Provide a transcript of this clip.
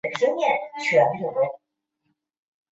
滨海拉普兰人口变化图示